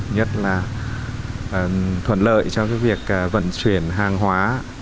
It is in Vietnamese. nhất là thuận lợi cho việc vận chuyển hàng hóa